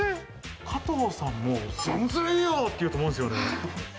加藤さん、全然いいよ！っていうと思うんですよね。